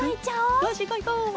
よしいこういこう！